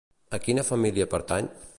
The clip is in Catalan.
A quina família pertany?